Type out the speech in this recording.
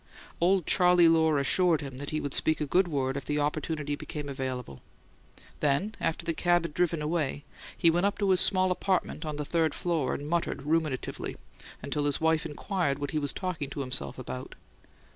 Old Charley Lohr assured him that he would speak a good word if opportunity became available; then, after the cab had driven away, he went up to his small apartment on the third floor and muttered ruminatively until his wife inquired what he was talking to himself about.